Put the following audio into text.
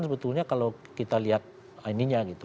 sebetulnya kalau kita lihat ininya gitu